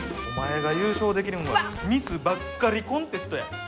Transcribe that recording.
お前が優勝できるんはミスばっかりコンテストや。